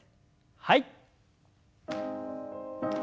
はい。